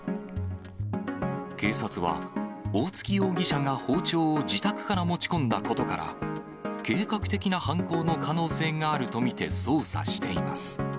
警察は、大槻容疑者が包丁を自宅から持ち込んだことから、計画的な犯行の可能性があると見て、捜査しています。